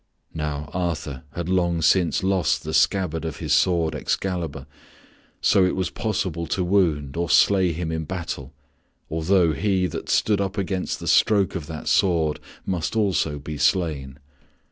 Now Arthur had long since lost the scabbard of his sword, Excalibur, so it was possible to wound or slay him in battle, although he that stood up against the stroke of that sword must also be slain.